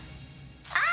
あ！